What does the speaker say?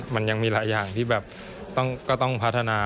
มันยังมีหลายอย่างที่แบบก็ต้องพัฒนา